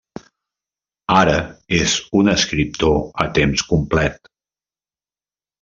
Ara és un escriptor a temps complet.